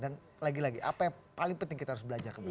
dan lagi lagi apa yang paling penting kita harus belajar kembali